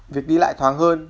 việc đi lại thoáng hơn